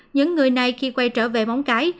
những người này khi quay trở về móng cái